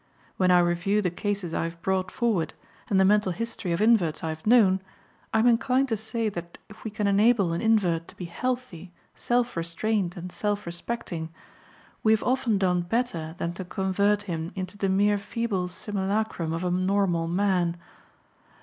When I review the cases I have brought forward and the mental history of inverts I have known, I am inclined to say that if we can enable an invert to be healthy, selfrestrained and selfrespecting, we have often done better than to convert him into the mere feeble simulacrum of a normal man.